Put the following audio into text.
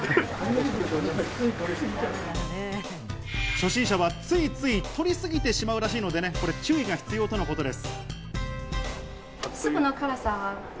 初心者はついつい取りすぎてしまうらしいので注意が必要とのことです。